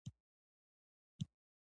ریښتیاوو ته مو رسوي تعقیب یې کړئ.